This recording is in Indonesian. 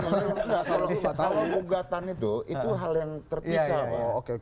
kalau gugatan itu hal yang terpisah